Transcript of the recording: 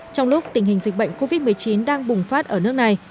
trong lúc tình hình dịch bệnh covid một mươi chín đang bùng phát ở nước này